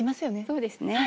そうですね。